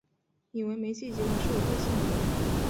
以为没寄，结果是我漏信了